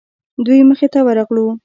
دوی مخې ته ورغلو.